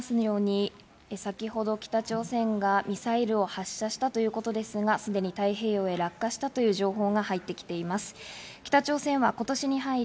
お伝えしておりますように、先ほど北朝鮮がミサイルを発射したということですが、すでに太平洋へ落下したという情報が入ってきています。